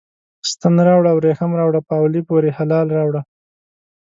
ستن راوړه، وریښم راوړه، پاولي پوره هلال راوړه